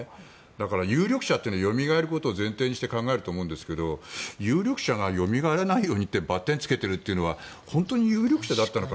だから、有力者というのはよみがえることを前提にして考えると思うんですが有力者がよみがえらないようにバッテンをつけているということは本当に有力者だったのか。